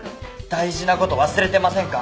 大事なこと忘れてませんか？